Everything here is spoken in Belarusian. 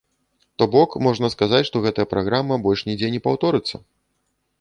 То бок, можна сказаць, што гэтая праграма больш нідзе не паўторыцца?